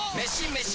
メシ！